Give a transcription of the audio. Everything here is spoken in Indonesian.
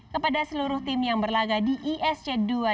kepada seluruh tim yang berlaga di isc dua ribu dua puluh